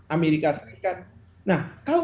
amerika serikat nah kalau